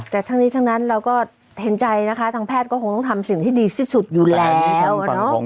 แต่ทั้งนี้ทั้งนั้นเราก็เห็นใจนะคะทางแพทย์ก็คงต้องทำสิ่งที่ดีที่สุดอยู่แล้ว